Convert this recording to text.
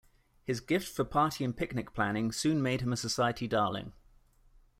His gift for party and picnic planning soon made him a society darling.